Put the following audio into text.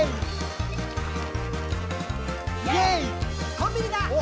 「コンビニだ！